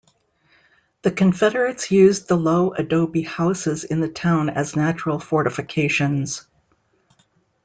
The Confederates used the low adobe houses in the town as natural fortifications.